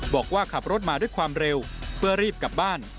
บอกว่าขับรถมาด้วยความเร็วเพื่อรีบกลับบ้าน